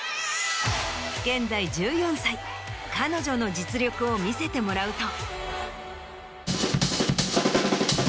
現在１４歳彼女の実力を見せてもらうと。